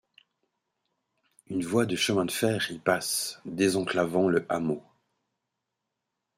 Une voie de chemin de fer y passe, désenclavant le hameau.